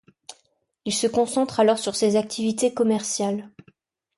Il se concentre alors sur ses activités commerciales.